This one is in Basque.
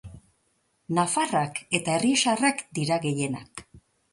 Nafarrak eta errioxarrak dira gehienak.